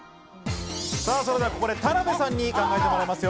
ここで田辺さんに考えてもらいますよ。